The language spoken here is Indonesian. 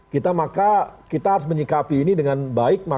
kita maka kita harus menyikapi ini dengan baik